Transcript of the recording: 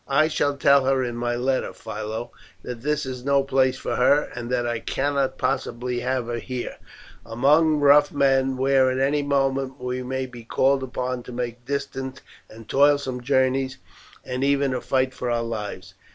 "I shall tell her in my letter, Philo, that this is no place for her, and that I cannot possibly have her here, among rough men, where, at any moment, we may be called upon to make distant and toilsome journeys, and even to fight for our lives."